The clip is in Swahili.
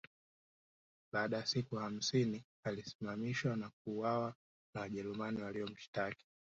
Baada ya siku hamsini alisimamishwa na kuuawa na Wajerumani waliomshtaki